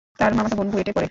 তার মামাতো বোন বুয়েটে পড়ে।